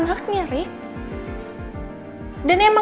aku selu sel finih sama tempat kau